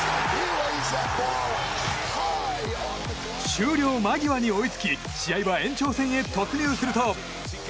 終了間際に追いつき試合は延長戦へ突入すると。